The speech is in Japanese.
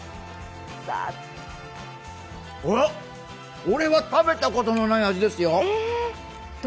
おっ、これは食べたことのない味ですよ。